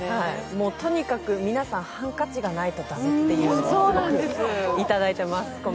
もうとにかく皆さん、ハンカチがないと駄目というコメントをいただいています。